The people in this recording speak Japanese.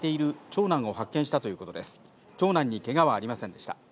長男にけがはありませんでした。